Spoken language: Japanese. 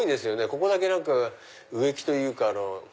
ここだけ植木というか。